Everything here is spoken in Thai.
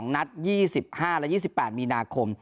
นัด๒๕และ๒๘มีนาคม